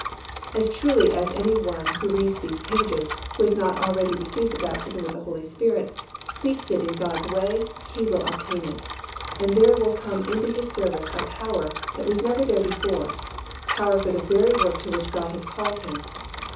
As truly as any one who reads these pages, who has not already received the baptism with the Holy Spirit, seeks it in God's way, he will obtain it, and there will come into his service a power that was never there before, power for the very work to which God has called him.